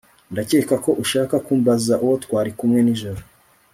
Ndakeka ko ushaka kumbaza uwo twari kumwe nijoro